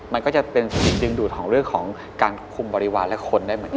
มันก็จะเป็นสิ่งดึงดูดของเรื่องของการคุมบริวารและคนได้เหมือนกัน